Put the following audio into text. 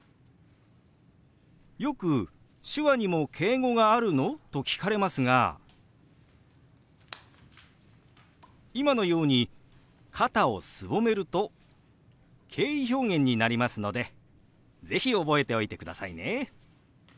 よく「手話にも敬語があるの？」と聞かれますが今のように肩をすぼめると敬意表現になりますので是非覚えておいてくださいね。